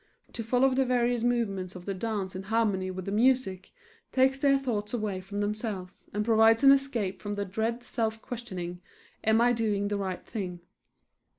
To follow the various movements of the dance in harmony with the music takes their thoughts away from themselves, and provides an escape from the dread self questioning: "Am I doing the right thing?"